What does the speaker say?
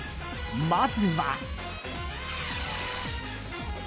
まずは。